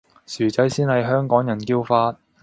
薯仔先係香港人叫法